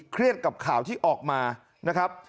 เครียดกับข่าวที่ออกมานะครับ